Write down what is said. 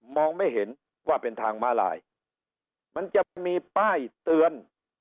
ไม่เห็นว่าเป็นทางมาลายมันจะมีป้ายเตือน